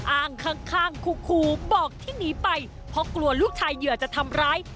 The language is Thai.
อ้างข้างคูบอกที่หนีไปเพราะกลัวลูกชายเหยื่อจะทำร้าย